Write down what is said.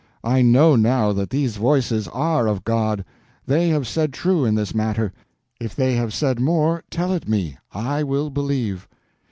I know now that these Voices are of God. They have said true in this matter; if they have said more, tell it me—I will believe."